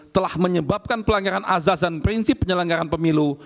telah menyebabkan pelanggaran azaz dan prinsip penyelenggaran pemilu